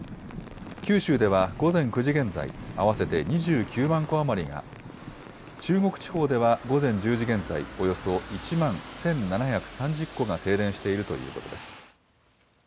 九州では午前９時現在、合わせて２９万戸余りが、中国地方では午前１０時現在、およそ１万１７３０戸が停電しているということです。